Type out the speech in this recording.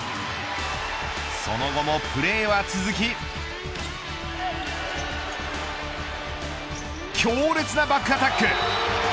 その後もプレーは続き強烈なバックアタック。